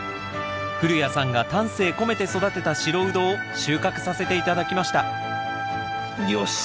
古谷さんが丹精込めて育てた白ウドを収穫させて頂きましたよし！